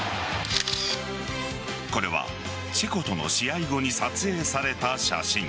これはチェコとの試合後に撮影された写真。